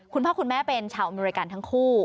คุณพ่อคุณแม่เป็นชาวอเมริกันทั้งคู่